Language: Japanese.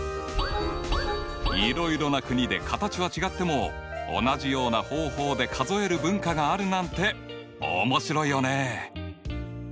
いろいろな国で形は違っても同じような方法で数える文化があるなんて面白いよね！